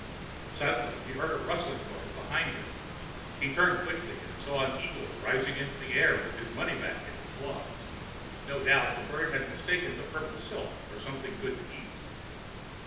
Suddenly he heard a rustling noise behind him. He turned quickly and saw an eagle rising into the air with his moneybag in its claws. No doubt the bird had mistaken the purple silk for something good to eat.